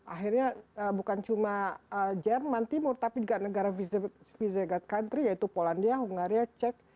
akhirnya bukan cuma jerman timur tapi juga negara visegat country yaitu polandia hungaria cek